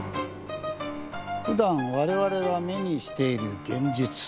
普段われわれが目にしている現実。